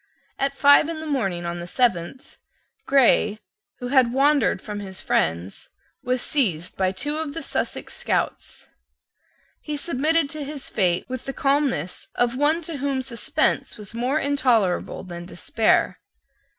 At five in the morning of the seventh, Grey, who had wandered from his friends, was seized by two of the Sussex scouts. He submitted to his fate with the calmness of one to whom suspense was more intolerable than despair.